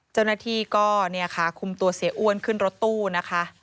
เจ้าหน้าที่ก็เนี่ยค่ะคุมตัวเสียอ้วนขึ้นรถตู้นะคะ